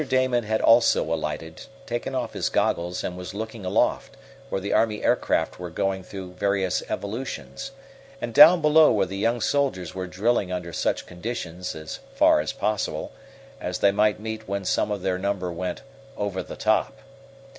Damon had also alighted, taken off his goggles, and was looking aloft, where the army aircraft were going through various evolutions, and down below, where the young soldiers were drilling under such conditions, as far as possible, as they might meet with when some of their number went "over the top."